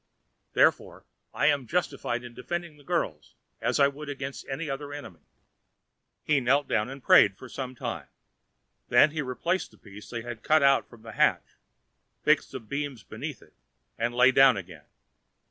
Therefore I am justified in defending the girls, as I would against any other enemy." He knelt down and prayed for some time. Then he replaced the piece they had cut out from the hatch, fixed the beams beneath it, and lay down again.